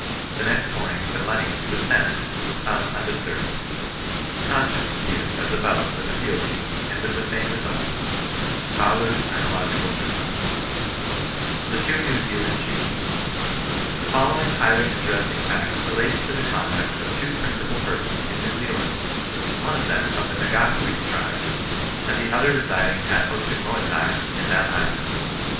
The next morning, the money, to a cent, was found undis turbed. Conscience here, as above, was appealed to, and with the same results. — Fowler's Phrenological Journal, THE TWO NEW ZEALAND CHIEFS. The following highly interesting fact relates to the conduct of two principal persons in Kew Zealand ; one of them of the Ngapuhi tribe, and the other residing at Otumoetai in that island.